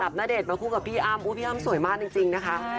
ณเดชน์มาคู่กับพี่อ้ำพี่อ้ำสวยมากจริงนะคะ